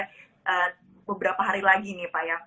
beberapa hari lagi nih pak ya